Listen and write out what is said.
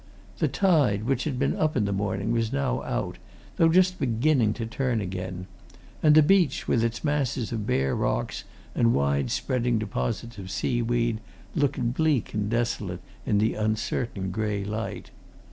The tide, which had been up in the morning, was now out, though just beginning to turn again, and the beach, with its masses of bare rock and wide spreading deposits of sea weed, looked bleak and desolate in the uncertain grey light.